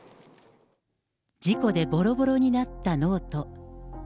事故でぼろぼろになったノート。